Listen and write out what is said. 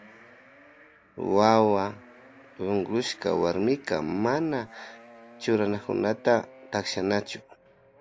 Wawata unkushka warmika mana churanakunata takshanachu.